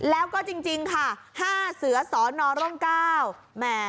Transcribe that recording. แล้วก็จริงค่ะ๕เสือสนรเก้า